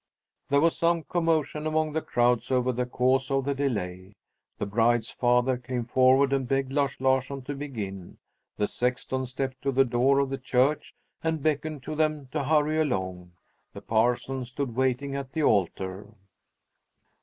There was some commotion among the crowds over the cause of the delay. The bride's father came forward and begged Lars Larsson to begin. The sexton stepped to the door of the church and beckoned to them to hurry along. The parson stood waiting at the altar.